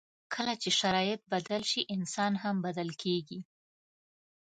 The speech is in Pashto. کله چې شرایط بدل شي، انسان هم بدل کېږي.